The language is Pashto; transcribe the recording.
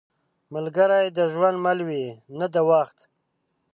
ملګری د ژوند مل وي، نه د وخت.